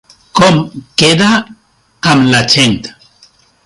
Com queda amb la gent?